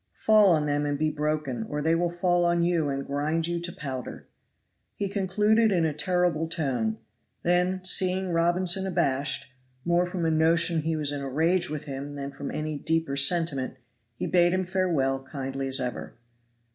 Fall on them and be broken, or they will fall on you and grind you to powder." He concluded in a terrible tone; then, seeing Robinson abashed, more from a notion he was in a rage with him than from any deeper sentiment, he bade him farewell kindly as ever.